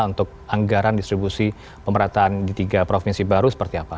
untuk anggaran distribusi pemerataan di tiga provinsi baru seperti apa